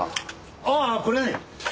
ああこれはね